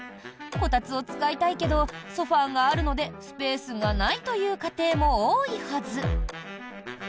こたつを使いたいけどソファがあるのでスペースがないという家庭も多いはず。